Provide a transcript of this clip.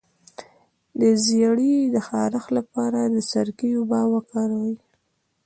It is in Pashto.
د زیړي د خارښ لپاره د سرکې اوبه وکاروئ